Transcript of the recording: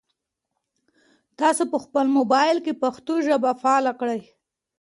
تاسو په خپل موبایل کې پښتو ژبه فعاله کړئ.